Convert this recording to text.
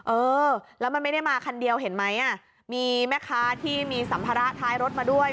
เออแล้วมันไม่ได้มาคันเดียวเห็นไหมอ่ะมีแม่ค้าที่มีสัมภาระท้ายรถมาด้วย